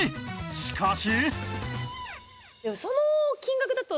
しかし